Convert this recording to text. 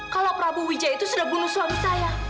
kalau prabu wijaya itu sudah bunuh suami saya